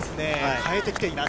変えてきています。